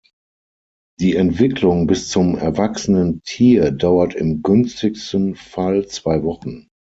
Die Entwicklung bis zum erwachsenen Tier dauert im günstigsten Fall zwei Wochen.